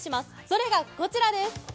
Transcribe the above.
それがこちらです。